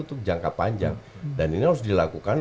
itu jangka panjang dan ini harus dilakukan